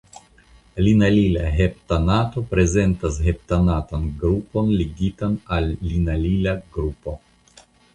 Linalila heptanato prezentas heptanatan grupon ligitan al linalila grupo.